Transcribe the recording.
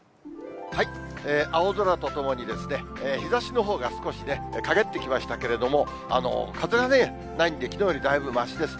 青空とともに、日ざしのほうが少し影ってきましたけれども、風はね、ないんできのうよりだいぶましですね。